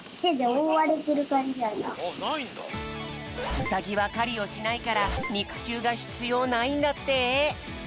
ウサギはかりをしないからにくきゅうがひつようないんだって。